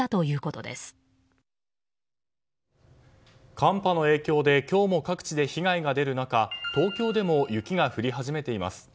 寒波の影響で今日も各地で被害が出る中東京でも雪が降り始めています。